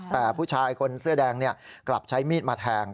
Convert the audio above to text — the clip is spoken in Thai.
แต่ผู้ชายคนเสื้อแดงกลับใช้มีดมาแทง